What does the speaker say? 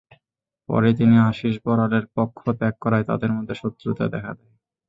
পরে তিনি আশিষ বড়ালের পক্ষ ত্যাগ করায় তাঁদের মধ্যে শত্রুতা দেখা দেয়।